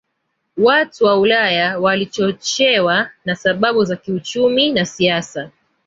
Watu wa Ulaya walichochewa na sababu za kiuchumi na siasa